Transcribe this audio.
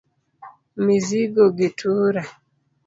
Mizigo gi tura